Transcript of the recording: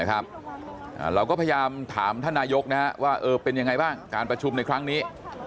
เราก็พยายามถามท่านนายกว่าเป็นยังไงบ้างการประชุมในครั้งนี้